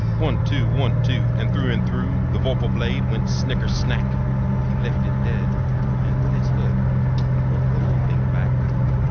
One, two! One, two! And through, and through The vorpal blade went snicker snack! He left it dead, and with its head He went galumphing back.